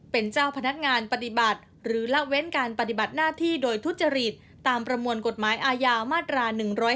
เป็นเจ้าพนักงานปฏิบัติหรือละเว้นการปฏิบัติหน้าที่โดยทุจริตตามประมวลกฎหมายอาญามาตรา๑๑๒